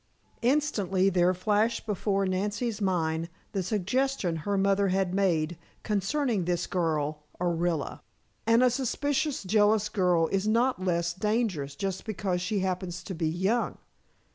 Instantly there flashed before Nancy's mind the suggestion her mother had made concerning this girl, Orilla. And a suspicious, jealous girl is not less dangerous just because she happens to be young.